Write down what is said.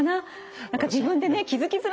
何か自分でね気付きづらいから。